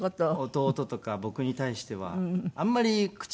弟とか僕に対してはあんまり口数多く。